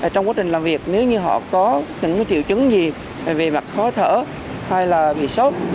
trong quá trình làm việc nếu như họ có những triệu chứng gì về mặt khó thở hay là bị sốt